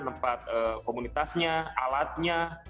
tempat komunitasnya alatnya